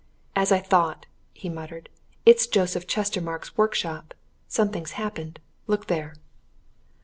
"As I thought!" he muttered. "It's Joseph Chestermarke's workshop! Something's happened. Look there!"